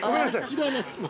◆違います。